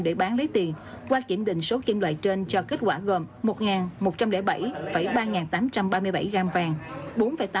để bán lấy tiền qua kiểm định số kim loại trên cho kết quả gồm một một trăm linh bảy ba tám trăm ba mươi bảy gram vàng